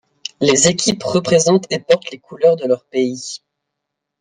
Les équipes représentent et portent les couleurs de leur pays.